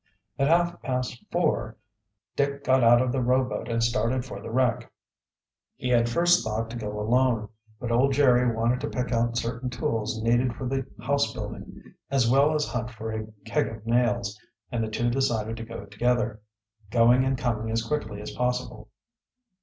At half past four Dick got out the rowboat and started for the wreck. He had first thought to go alone, but old Jerry wanted to pick out certain tools needed for the house building, as well as hunt for a keg of nails, and the two decided to go together, going and coming as quickly as possible.